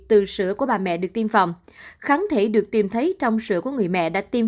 từ sữa của bà mẹ được tiêm phòng kháng thể được tìm thấy trong sữa của người mẹ đã tiêm